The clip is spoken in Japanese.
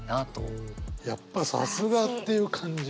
やっぱさすがっていう感じ。